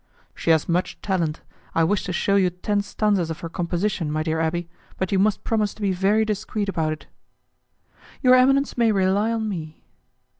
"She has much talent. I wish to shew you ten stanzas of her composition, my dear abbé, but you must promise to be very discreet about it." "Your eminence may rely on me."